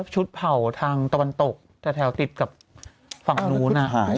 เผ่าทางตะวันตกแต่แถวติดกับฝั่งนู้น